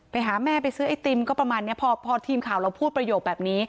ไปหาแม่ไปซื้อไอติมก็ประมาณนี้พอทีมข่าวเราพูดประโยคแบบนี้